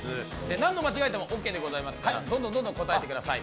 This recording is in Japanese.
何度間違えてもオーケーでございますからどんどん答えてください。